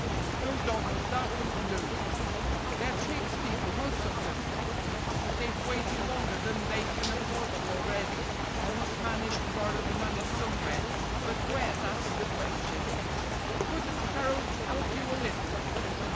"No, Donald, that wouldn't do. They're trades people, most of them, and they've waited longer than they can afford to already. I must manage to borrow the money somewhere but where, that's the question." "Couldn't Harold help you a little?"